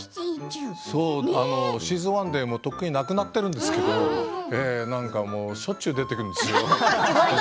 シーズン１でとっくに亡くなってるんですがしょっちゅう出てくるんですよ。